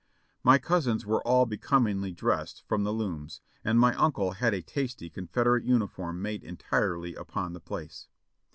My cousins were all becomingly dressed from the looms, and my uncle had a tasty Confederate uniform made entirely upon the place.